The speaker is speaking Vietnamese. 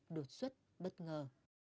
đột xuất bất ngờ